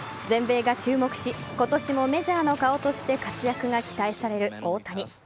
全米が注目し今年もメジャーの顔として活躍が期待される大谷。